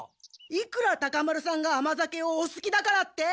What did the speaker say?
いくらタカ丸さんが甘酒をおすきだからって！